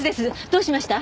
どうしました？